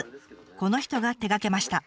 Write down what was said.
この人が手がけました。